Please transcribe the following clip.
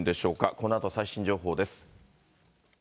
このあと最新情報です。